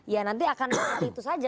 ya nanti akan seperti itu saja